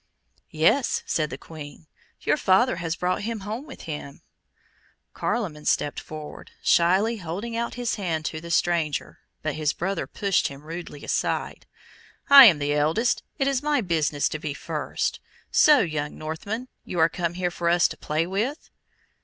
"Yes," said the Queen; "your father has brought him home with him." Carloman stepped forward, shyly holding out his hand to the stranger, but his brother pushed him rudely aside. "I am the eldest; it is my business to be first. So, young Northman, you are come here for us to play with."